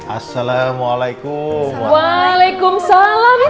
assalamualaikum waalaikumsalam itu